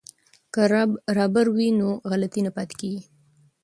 که رابر وي نو غلطي نه پاتې کیږي.